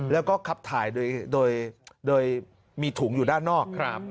แล้วก็ขับถ่ายโดยมีถุงอยู่ด้านนอก